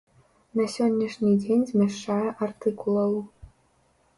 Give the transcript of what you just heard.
На сённяшні дзень змяшчае артыкулаў.